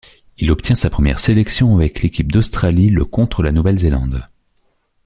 Il obtient sa première sélection avec l'équipe d'Australie le contre la Nouvelle-Zélande.